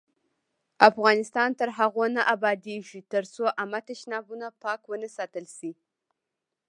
افغانستان تر هغو نه ابادیږي، ترڅو عامه تشنابونه پاک ونه ساتل شي.